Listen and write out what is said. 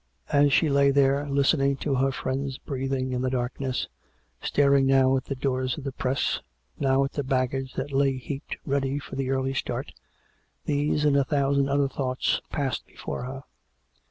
As she lay there, listening to her friend's breathing in COME RACK! COME ROPE! 221 the darkness^ staring now at the doors of the jjress, now at the baggage that lay heaped ready for the early starts these and a thousand other thoughts passed before her.